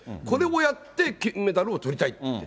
これをやって金メダルをとりたい。